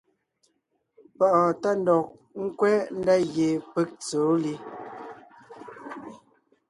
Páʼɔɔn tá ndɔg ńkwɛ́ ndá gie peg èe tsɛ̀ɛ wó li.